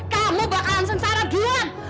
kamu bakalan sengsara duhan